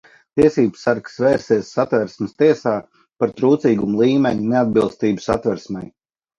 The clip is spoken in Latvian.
Tiesībsargs vērsies satversmes tiesā par trūcīguma līmeņa neatbilstību satversmei.